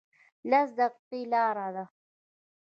لس دقیقې لاره ده